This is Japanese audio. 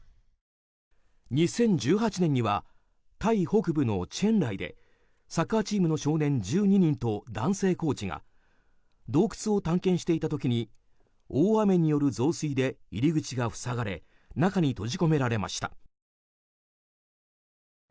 ２０１８年にはタイ北部のチェンライでサッカーチームの少年１２人と男性コーチが洞窟を探検していた時に大雨による増水で入り口が塞がれ中に閉じ込められました。